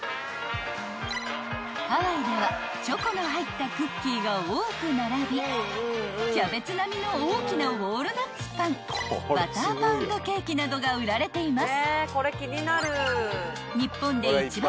［ハワイではチョコの入ったクッキーが多く並びキャベツ並みの大きなウォールナッツパンバターパウンドケーキなどが売られています］